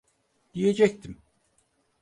Diyecektim...